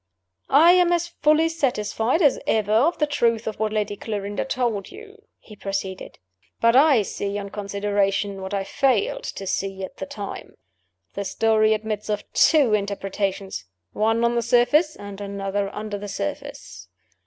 "I am as fully satisfied as ever of the truth of what Lady Clarinda told you," he proceeded. "But I see, on consideration, what I failed to see at the time. The story admits of two interpretations one on the surface, and another under the surface.